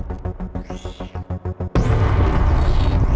kalau itu bikin